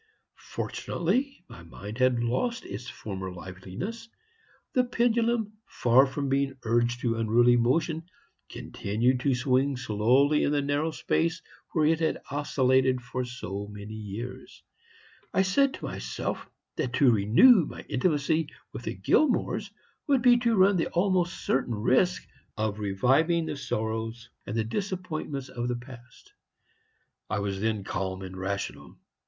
"Fortunately my mind had lost its former liveliness. The pendulum, far from being urged to unruly motion, continued to swing slowly in the narrow space where it had oscillated for so many years. I said to myself that to renew my intimacy with the Gilmores would be to run the almost certain risk of reviving the sorrows and the disappointments of the past. I was then calm and rational.